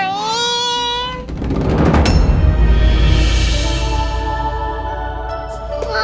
para yeongju pilih kalian